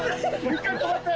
１回止まって。